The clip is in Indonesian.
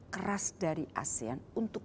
keras dari asean untuk